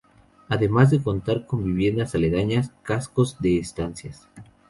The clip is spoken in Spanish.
Además de contar con viviendas aledañas, cascos de estancias.